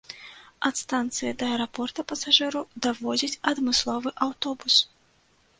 Ад станцыі да аэрапорта пасажыраў давозіць адмысловы аўтобус.